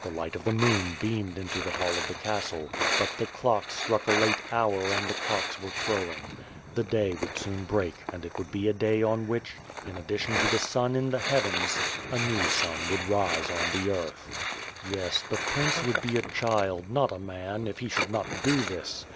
The light of the moon beamed into the hall of the castle, but the clock struck a late hour and the cocks were crowing. The day would soon break and it would "be a day on which, in addition to the sun in the heavens, a new sun would rise on the earth. « He « He «* Yes, the Prince would be a child not a man if he should not do this.